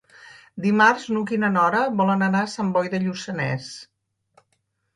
Dimarts n'Hug i na Nora volen anar a Sant Boi de Lluçanès.